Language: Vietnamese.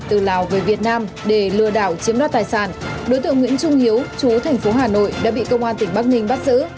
từ lào về việt nam để lừa đảo chiếm đoạt tài sản đối tượng nguyễn trung hiếu chú thành phố hà nội đã bị công an tỉnh bắc ninh bắt giữ